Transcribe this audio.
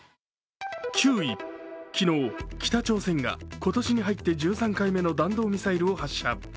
昨日、北朝鮮が今年に入って１３回目の弾道ミサイルを発射。